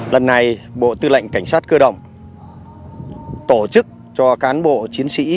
lần này bộ tư lệnh cảnh sát cơ động tổ chức cho cán bộ chiến sĩ